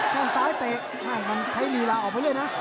ข้างซ้ายเตะใครมีลาออกไปเลยนะ